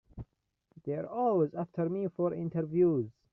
They're always after me for interviews.